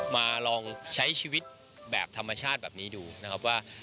มาลองใช้ชีวิตแบบธรรมชาติแบบนี้ดูนะครับว่า